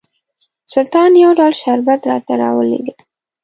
سلطان یو ډول شربت راته راولېږل.